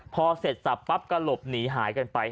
พอเสร็จสับปั๊บก็หลบหนีหายกันไป